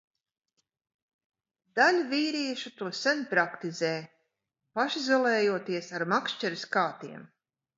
Daļa vīriešu to sen praktizē, pašizolējoties ar makšķeres kātiem.